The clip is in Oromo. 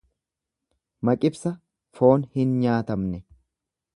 Maqibsa foon hin nyaatamne.